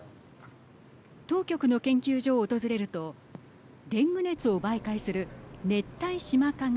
当局の研究所を訪れるとデング熱を媒介するネッタイシマカが